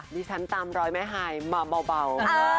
ดิฉันตามรอยไม้หายเมาเบา